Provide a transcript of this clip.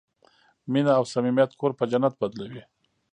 مینه او صمیمیت کور په جنت بدلوي.